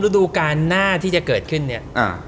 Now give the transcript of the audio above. รวมรั้วดูการหน้าที่จะเกิดขึ้นเนี่ย